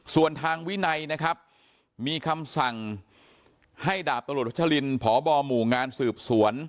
ส่วนทางวินัยนะครับมีคำสั่งให้ดาบตำรวจวัชลินพบหมู่งานสืบสวน